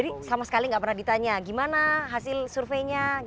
jadi sama sekali gak pernah ditanya gimana hasil surveinya